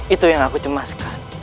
itu yang aku cemaskan